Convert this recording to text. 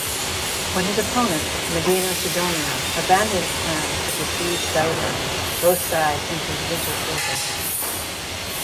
When his opponent, Medina-Sidonia, abandoned plans to besiege Bellver, both sides entered winter quarters.